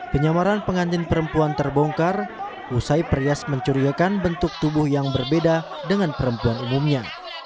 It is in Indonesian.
penyamaran pengantin perempuan terbongkar usai perias mencurigakan bentuk tubuh yang berbeda dengan perempuan umumnya